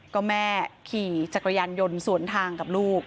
ก็แม่ขี่จักรยานยนต์สวนทางกับลูก